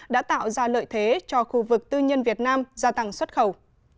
đã tạo ra lợi thế cho khu vực tư nhân việt nam gia tăng xuất khẩu